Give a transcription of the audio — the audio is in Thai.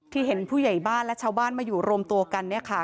ที่เห็นผู้ใหญ่บ้านและชาวบ้านมันมาอยู่รวมตัวกันเนี่ยค่ะ